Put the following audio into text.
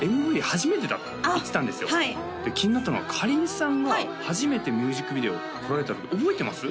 初めてだと言ってたんですよで気になったのがかりんさんが初めてミュージックビデオ撮られた時覚えてます？